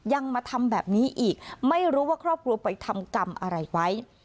มาทำแบบนี้อีกไม่รู้ว่าครอบครัวไปทำกรรมอะไรไว้